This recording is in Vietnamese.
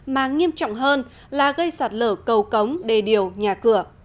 mà nghiêm trọng hơn là gây sạt lở cầu cống đề điều nhà cửa